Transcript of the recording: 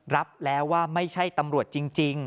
รับแล้วว่าไม่ใช่ตำรวจจริง